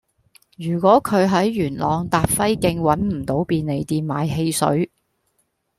如果佢喺元朗達輝徑搵唔到便利店買汽水